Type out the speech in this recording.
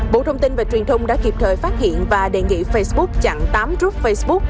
bộ thông tin và truyền thông đã kịp thời phát hiện và đề nghị facebook chặn tám group facebook